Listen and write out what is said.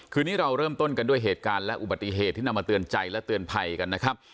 นี้เราเริ่มต้นกันด้วยเหตุการณ์และอุบัติเหตุที่นำมาเตือนใจและเตือนภัยกันนะครับ